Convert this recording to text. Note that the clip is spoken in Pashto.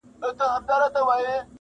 نوي نوي تختې غواړي قاسم یاره,